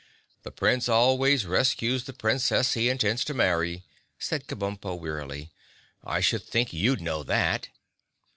"The Prince always rescues the Princess he intends to marry," said Kabumpo wearily. "I should think you'd know that."